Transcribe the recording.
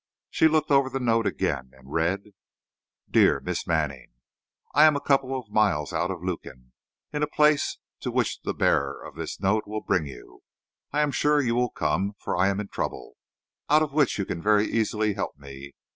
She looked over the note again, and read: DEAR MISS MANNING: I am a couple of miles out of Lukin, in a place to which the bearer of this note will bring you. I am sure you will come, for I am in trouble, out of which you can very easily help me.